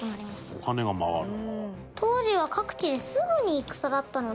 お金が回るの？